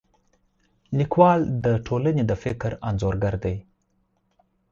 لیکوال د ټولنې د فکر انځورګر دی.